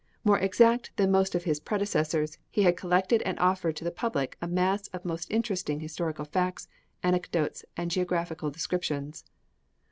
More exact than most of his predecessors, he had collected and offered to the public a mass of most interesting historical facts, anecdotes, and geographical descriptions.